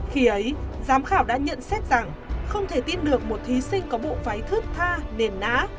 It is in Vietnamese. khi ấy giám khảo đã nhận xét rằng không thể tin được một thí sinh có bộ váy thước tha nền nã